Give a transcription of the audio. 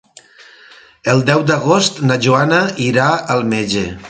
El deu d'agost na Joana irà al metge.